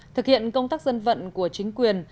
thực hiện công tác dân vận của chính quyền